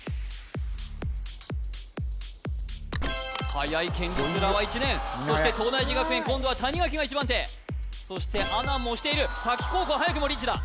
はやい県立浦和１年そして東大寺学園今度は谷垣が一番手そして阿南も押している滝高校はやくもリーチだ